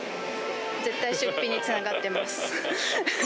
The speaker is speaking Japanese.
絶対出費につながってます。